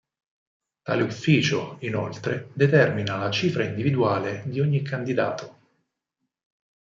Tale Ufficio, inoltre, determina la cifra individuale di ogni candidato.